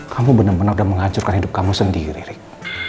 kamu bener bener udah menghancurkan hidup kamu sendiri rick